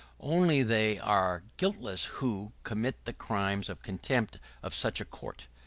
[¶42] Only they are guiltless who commit the crime of contempt of such a court.